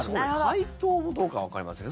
解凍がどうかわかりませんが。